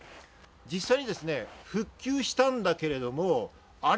実際に復旧したんだけれども、あれ？